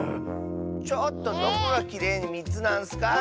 ⁉ちょっとどこがきれいに３つなんッスか！